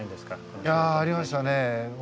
いやありましたね。